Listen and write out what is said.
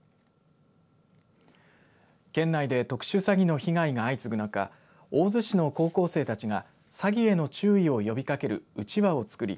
県内で特殊詐欺の被害が相次ぐ中大洲市の高校生たちが詐欺への注意を呼びかけるうちわを作り